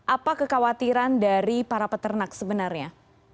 apa kekhawatiran dari para peternak sebenarnya